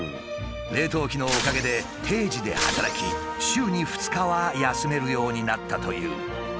冷凍機のおかげで定時で働き週に２日は休めるようになったという。